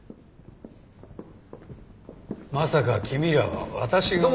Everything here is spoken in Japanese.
まさか君らは私が。